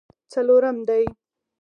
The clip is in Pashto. څلورم دی.